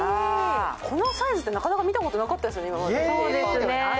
このサイズって、なかなか見たことなかったですよね、今まで。